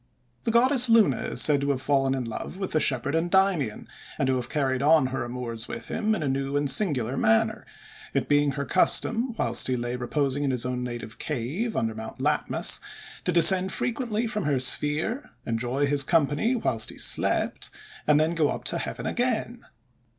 The goddess Luna is said to have fallen in love with the shepherd Endymion, and to have carried on her amours with him in a new and singular manner; it being her custom, whilst he lay reposing in his native cave, under Mount Latmus, to descend frequently from her sphere, enjoy his company whilst he slept, and then go up to heaven again.